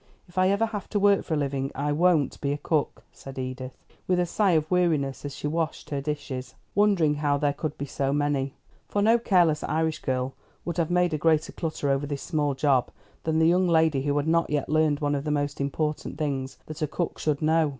If I ever have to work for a living I won't be a cook," said Edith, with a sigh of weariness as she washed her dishes, wondering how there could be so many; for no careless Irish girl would have made a greater clutter over this small job than the young lady who had not yet learned one of the most important things that a cook should know.